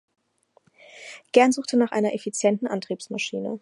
Gern suchte nach einer effizienten Antriebsmaschine.